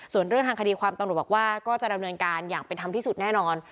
ส่วนเรื่องทางคดีความตำรวจบอกว่าก็จะดำเนินการอย่างเป็นธรรมที่สุดแน่นอน